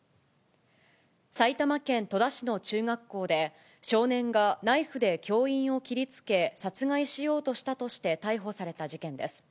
埼玉県戸田市の中学校で、少年がナイフで教員を切りつけ、殺害しようとしたとして逮捕された事件です。